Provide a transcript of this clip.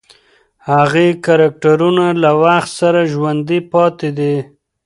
هغې کرکټرونه له وخت سره ژوندۍ پاتې دي.